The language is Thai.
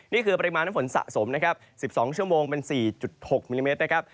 นี่คือปริมาณฝนสะสม๑๒ชั่วโมงเป็น๔๖มิลลิเมตร